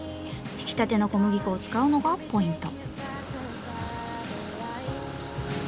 ひきたての小麦粉を使うのがポイント。